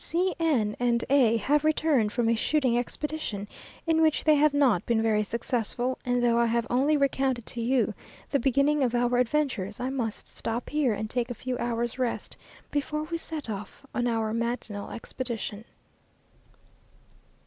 C n and A have returned from a shooting expedition, in which they have not been very successful; and though I have only recounted to you the beginning of our adventures, I must stop here, and take a few hours' rest before we set off on our matinal expedition.